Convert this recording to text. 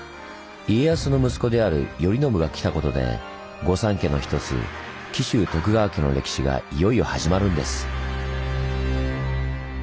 家康の息子である頼宣が来たことで御三家の一つ紀州徳川家の歴史がいよいよ始まるんです。